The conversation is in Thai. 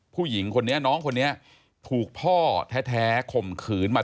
ผู้หญิงคนนี้น้องคนนี้ถูกพ่อแท้ข่มขืนมา